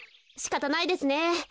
しかたないですね。